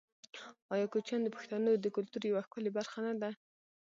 آیا کوچیان د پښتنو د کلتور یوه ښکلې برخه نه ده؟